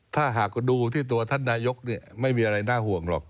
ถ้าหากดูที่ตัวท่านนายกไม่มีอะไรน่าห่วงหรอก